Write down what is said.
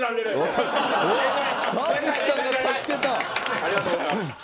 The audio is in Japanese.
ありがとうございます」